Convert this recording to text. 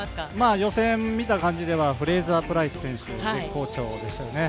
予選を見た感じではフレイザー・プライス選手が絶好調でしたね。